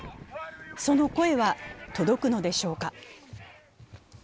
その声は届くのでしょうか。